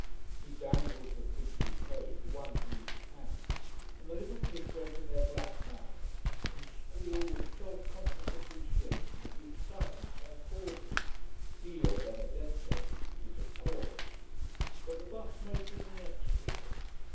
He dangles the pig bouquets, one from each hand, and the little pigs open their black mouths and squeal with self conscious appreciation of the excitement they are causing. Dio benedetto! it is a chorus. But the bus mate is inexorable.